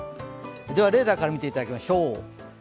ではレーダーから見ていただきましょう。